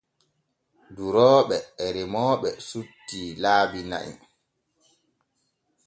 Durooɓe e remooɓe sutti laabi na'i.